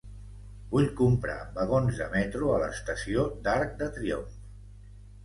Vull comprar vagons de metro a l'estació d'Arc de Triomf.